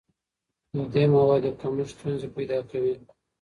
د دې موادو کمښت ستونزې پیدا کوي.